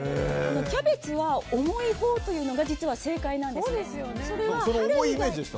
キャベツは重いほうというのが正解なんですよね。